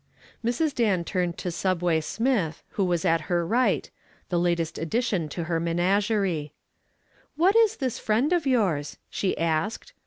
Mrs. Dan turned to "Subway" Smith, who was at her right the latest addition to her menagerie. "What is this friend of yours?" she asked.